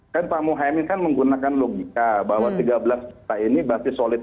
kan pak muhaymin kan menggunakan logika bahwa tiga belas juta ini basis solid